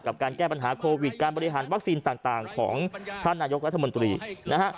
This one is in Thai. การแก้ปัญหาโควิดการบริหารวัคซีนต่างของท่านนายกรัฐมนตรีนะฮะ